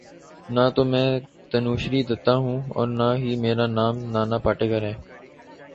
نہ تو میں تنوشری دتہ ہوں اور نہ ہی میرا نام نانا پاٹیکر ہے